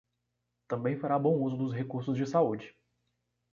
Também fará bom uso dos recursos de saúde.